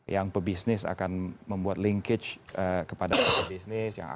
yang pebisnis akan membuat linkage kepada pebisnis